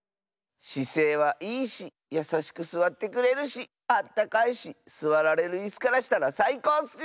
しせいはいいしやさしくすわってくれるしあったかいしすわられるいすからしたらさいこうッス！